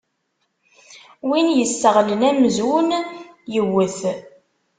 Win yesseɣlen amzun yewwet.